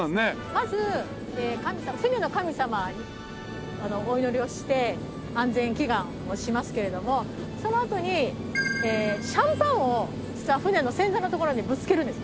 まず船の神様にお祈りをして安全祈願をしますけれどもそのあとにシャンパンを実は船の先端の所にぶつけるんです。